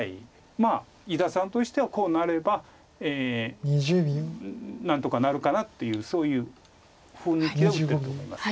伊田さんとしてはこうなれば何とかなるかなというそういうふうに手を打ってると思います。